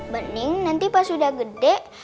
bening nanti pas udah gede